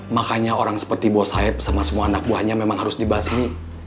makanya orang seperti bos sayap sama semua anak buahnya memang harus dibasmi